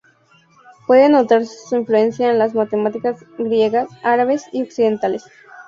Puede notarse su influencia en las matemáticas griegas, árabes y occidentales.